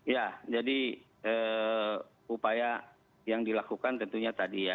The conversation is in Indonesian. ya jadi upaya yang dilakukan tentunya tadi ya